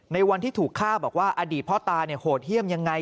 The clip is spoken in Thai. ในวันที่ถูกฆ่าบอกว่าอดีตพ่อตาโหดเยี่ยมยังไง